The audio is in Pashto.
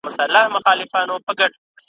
په نارو نارو ابتر سو